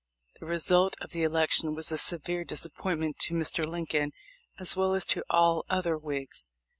The result of the election was a severe disappointment to Mr. Lincoln as well as to all other Whigs.